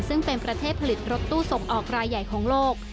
ซึ่งเป็นประเทศผลิตรถตู้ส่งออกรายใหญ่ของโลก